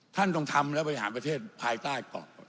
ท่านต้องทำแล้วบริหารประเทศภายใต้ก่อน